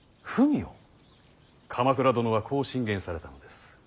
鎌倉殿はこう進言されたのです。